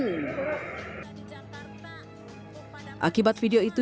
akibat video itu yulianti yang diperiksa dia juga memperlihatkan suasana